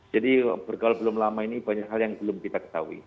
bergaul belum lama ini banyak hal yang belum kita ketahui